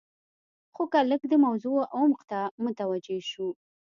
خو که لږ د موضوع عمق ته متوجې شو.